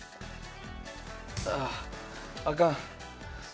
あああかん。